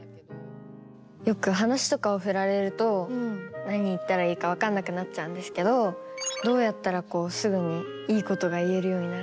よく話とかをふられると何言ったらいいかわかんなくなっちゃうんですけどどうやったらこうすぐにいいことが言えるようになるんですか？